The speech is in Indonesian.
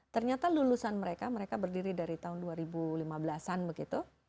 ternyata lulusan mereka mereka berdiri dari tahun dua ribu lima belas an begitu